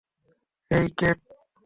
হেই, cat!